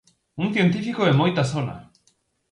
Un científico de moita sona.